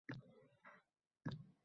Akalarining chehrasi yorishdi